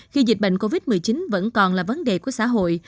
khi dịch bệnh covid một mươi chín vẫn còn là vấn đề của xã hội